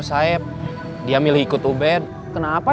sampai jumpa di video selanjutnya